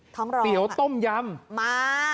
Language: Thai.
เตี๋ยวต้มยำมา